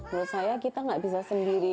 menurut saya kita nggak bisa sendiri